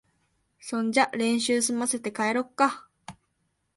そんじゃ練習すませて、帰ろっか。